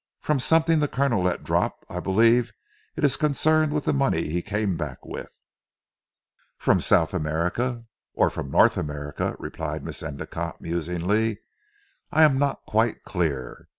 From something the Colonel let drop, I believe it is concerned with the money he came back with." "From South America?" "Or from North America," replied Miss Endicotte musingly, "I am not quite clear.